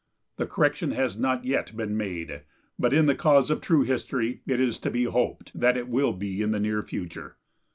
The correction has not yet been made, but in the cause of true history it is to be hoped that it will be in the near future.